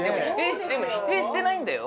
でも否定してないんだよ！